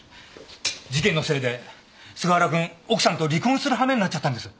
事件のせいで菅原君奥さんと離婚するはめになっちゃったんです。